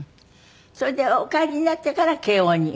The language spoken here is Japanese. それでお帰りになってから慶應に。